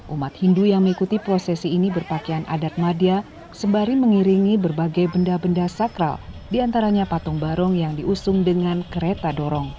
umat hindu yang mengikuti prosesi ini berpakaian adat madia sembari mengiringi berbagai benda benda sakral diantaranya patung barong yang diusung dengan kereta dorong